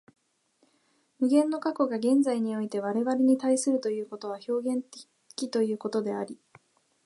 無限の過去が現在において我々に対するということは表現的ということであり、